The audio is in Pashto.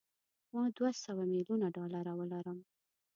ما دوه سوه میلیونه ډالره ولرم.